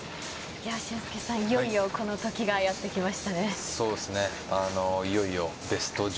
俊輔さん、いよいよこの時がやって来ましたね。